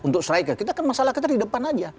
untuk striker kita kan masalah kita di depan aja